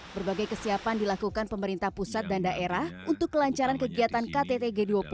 berbagai kesiapan dilakukan pemerintah pusat dan daerah untuk kelancaran kegiatan ktt g dua puluh